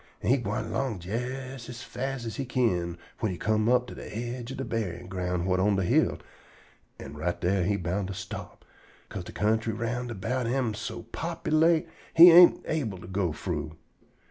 An' he gwine along jes as fast as he kin whin he come to de aidge ob de buryin' ground whut on de hill, an' right dar he bound to stop, 'ca'se de kentry round about am so populate he ain't able to go frough.